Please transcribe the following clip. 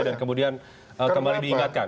dan kemudian kembali diingatkan